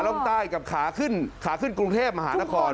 ล่องใต้ครับขาล่องใต้กับขาขึ้นกรุงเทพมหานคร